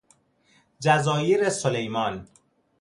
جزایرسلیمان